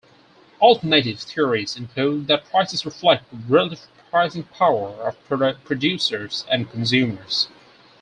Alternative theories include that prices reflect relative pricing power of producers and consumers.